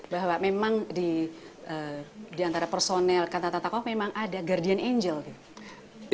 bahwa memang diantara personel kata kata kau memang ada guardian angel gitu